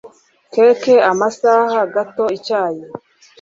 keke, amashaza, gato, icyayi,